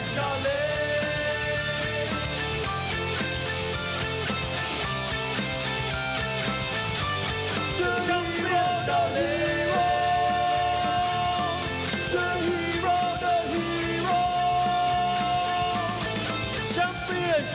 สวัสดีครับ